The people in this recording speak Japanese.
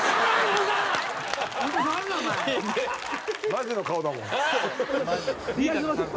マジの顔だもん。